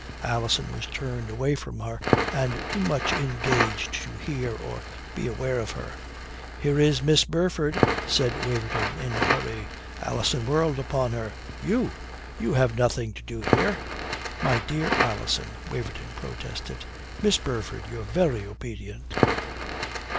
Alison was turned away from her and too much engaged to hear or be aware of her. "Here is Miss Burford," said Waverton in a hurry. Alison whirled upon her. "You! You have nothing to do here." "My dear Alison!" Waverton protested. "Miss Burford, your very obedient."